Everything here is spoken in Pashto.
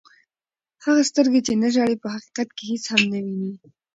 هغه سترګي، چي نه ژاړي په حقیقت کښي هيڅ هم نه ويني.